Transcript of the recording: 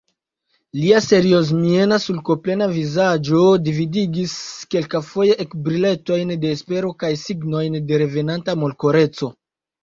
Lia seriozmiena, sulkoplena vizaĝo vidigis kelkafoje ekbriletojn de espero kaj signojn de revenanta molkoreco.